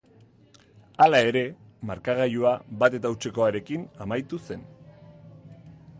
Hala ere, markagailua bat eta hutsekoarekin amaitu zen.